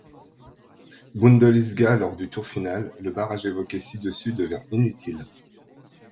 Bundelisga lors du tour final, le barrage évoqué ci-dessus devint inutile.